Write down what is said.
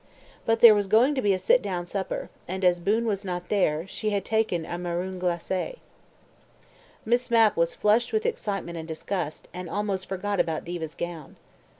But there was going to be a sit down supper, and as Boon was not there, she had taken a marron glacé. Miss Mapp was flushed with excitement and disgust, and almost forgot about Diva's gown.